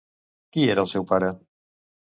Qui era el seu pare?